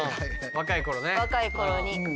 若い頃に。